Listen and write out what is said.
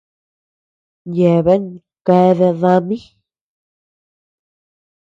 Yeabea keade dami.